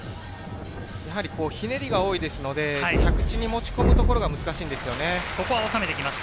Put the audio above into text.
やはり、ひねりが多いですので、着地に持ち込むところが難しいんですよね。